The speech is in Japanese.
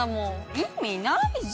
意味ないじゃん！